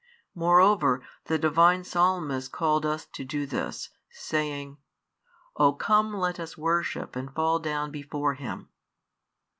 Moreover the Divine Psalmist called us to do this, saying: O come let us worship and fall down before Him.